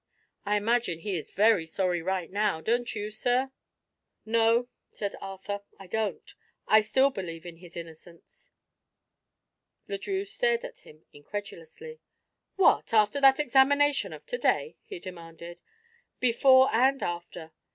I imagine he is very sorry, right now; don't you, sir?" "No," said Arthur, "I don't. I still believe in his innocence." Le Drieux stared at him incredulously. "What, after that examination of to day?" he demanded. "Before and after.